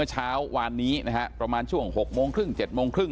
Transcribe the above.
เช้าวานนี้นะฮะประมาณช่วง๖โมงครึ่ง๗โมงครึ่ง